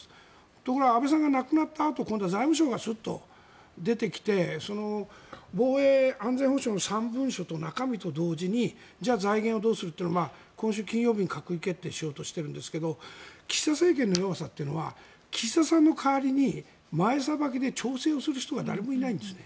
ところが安倍さんが亡くなったあと財務省がスッと出てきて防衛安全保障の３文書と中身と同時にじゃあ財源をどうすると今週金曜日に閣議決定しようとしているんですが岸田政権の弱さというのは岸田さんの代わりに前さばきで調整する人が誰もいないんですね。